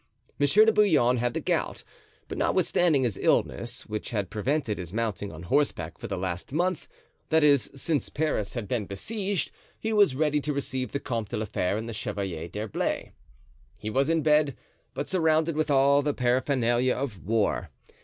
Monsieur de Bouillon had the gout, but notwithstanding his illness, which had prevented his mounting on horseback for the last month— that is, since Paris had been besieged—he was ready to receive the Comte de la Fere and the Chevalier d'Herblay. He was in bed, but surrounded with all the paraphernalia of war.